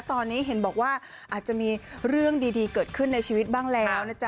ตอนนี้เห็นบอกว่าอาจจะมีเรื่องดีเกิดขึ้นในชีวิตบ้างแล้วนะจ๊